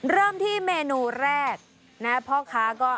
ร่วมที่เมนูแรก